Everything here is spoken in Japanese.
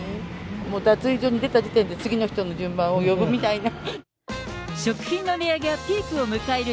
もう脱衣所を出た時点で、次の人の順番を呼ぶみたいな。